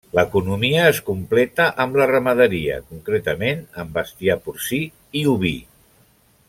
L'economia es completa amb la ramaderia, concretament amb bestiar porcí i oví.